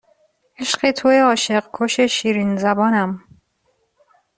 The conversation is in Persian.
عشق توئه عاشق کش شیرین زبانم